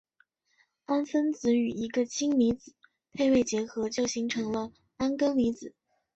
氨分子与一个氢离子配位结合就形成铵根离子。